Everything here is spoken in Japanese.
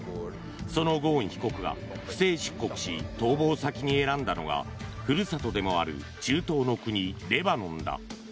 そのゴーン被告が不正出国し逃亡先に選んだのが故郷でもある中東の国レバノンだ。